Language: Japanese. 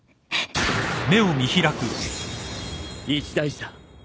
・一大事だ。